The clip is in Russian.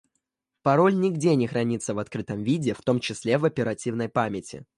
Пароль нигде не хранится в открытом виде, в том числе в оперативной памяти